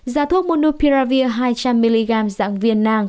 giá thuốc monopiravir hai trăm linh mg dạng viên năng